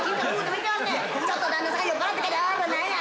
ちょっと旦那さん酔っぱらって「おら何や」